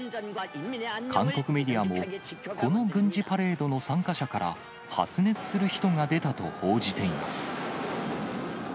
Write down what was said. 韓国メディアも、この軍事パレードの参加者から、発熱する人が出たと報じています。